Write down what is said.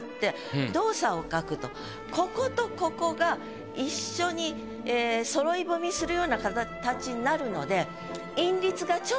こことここが一緒にそろい踏みするような形になるので。